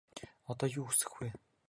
Одоо чи юу хүсэх вэ?